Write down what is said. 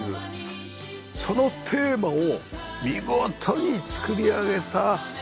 そのテーマを見事に作り上げたこの建物です。